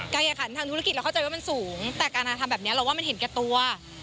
แข่งขันทางธุรกิจเราเข้าใจว่ามันสูงแต่การทำแบบนี้เราว่ามันเห็นแก่ตัว